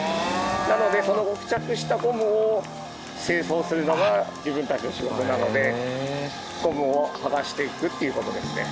なのでその付着したゴムを清掃するのが自分たちの仕事なのでゴムを剥がしていくっていう事ですね。